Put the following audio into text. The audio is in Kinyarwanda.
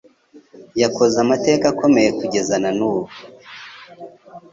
yakoze amateka akomeye kugeza nanubu